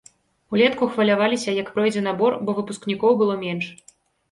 Улетку хваляваліся, як пройдзе набор, бо выпускнікоў было менш.